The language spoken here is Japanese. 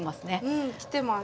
うんきてます。